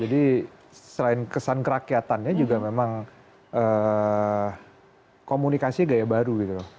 jadi selain kesan kerakyatannya juga memang komunikasi gaya baru gitu loh